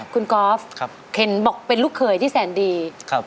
คุณกอล์ฟเห็นบอกเป็นลูกเขยที่แสนดี